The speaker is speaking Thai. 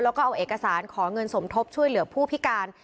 แล้วก็เอาเอกสารขอเงินสมทบช่วยเหลือผู้พิการ